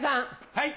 はい。